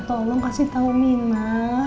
tolong kasih tau mina